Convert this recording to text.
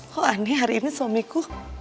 kok aneh hari ini suamiku